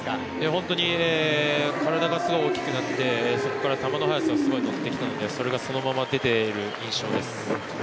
本当に体がすごい大きくなってそこから球の速さがすごい伸びてきたのでそのまま出ている印象です。